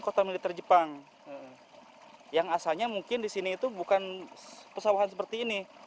kota militer jepang yang asalnya mungkin di sini itu bukan pesawahan seperti ini